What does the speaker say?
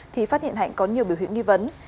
thì phát hiện hạnh có nhiều biểu hiện nghi vấn